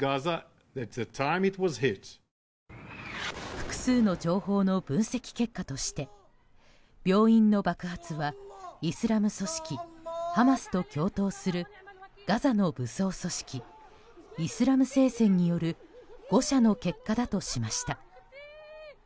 複数の情報の分析結果として病院の爆発はイスラム組織ハマスと共闘するガザの武装組織イスラム聖戦による誤射の結果だとしました。